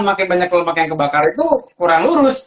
makin banyak lemak yang terbakar itu kurang lurus